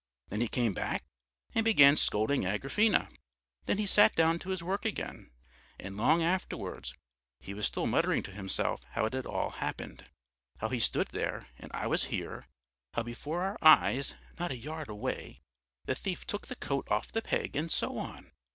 Then he came back and began scolding Agrafena. Then he sat down to his work again, and long afterwards he was still muttering to himself how it had all happened, how he stood there and I was here, how before our eyes, not a yard away, the thief took the coat off the peg, and so on.